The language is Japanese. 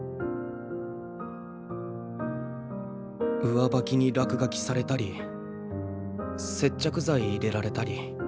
上履きに落書きされたり接着剤入れられたり。